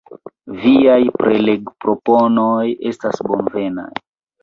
Viaj prelegproponoj estas bonvenaj.